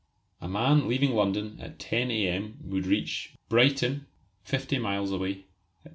A man leaving London at 10 A.M. would reach Brighton 50 miles away, at 10.